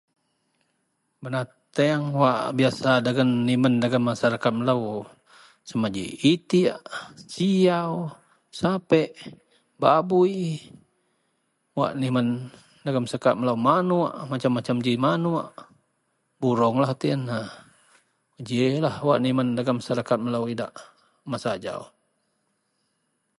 Benateang wak biyasa dagen nimen dagen masarakat melou sama ji itiek, siyau, sapek babui wak nimen dagen masarakat melou, manuok, macem-macem ji manuok, burunglah reti yen a. Gejilah ji wak nimen dagen masarakat melou idak masa ajau.